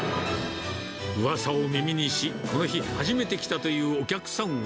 うわさを耳にし、この日初めて来たというお客さんは。